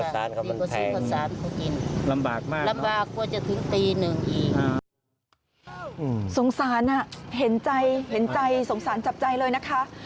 สงสารเห็นใจเห็นใจสงสารจับใจเลยนะคะ